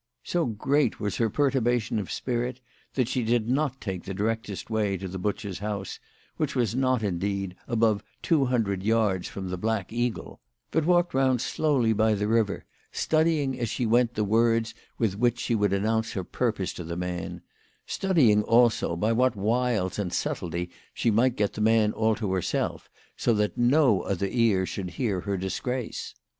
So great was her perturbation of spirit that she did not take the directest Vay to the butcher's house, which was not, indeed, above two hundred yards from 74 WHY FRAU FROHMANN RAISED HER PRICES. the Black Eagle, but walked round slowly by the river, studying as she went the words with which she would announce her purpose to the man, studying, also, by' what wiles and subtlety she might get the man all to herself, so that no other ears should hear her disgrace.